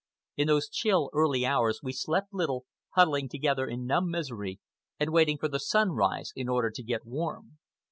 In those chill early hours we slept little, huddling together in numb misery and waiting for the sunrise in order to get warm.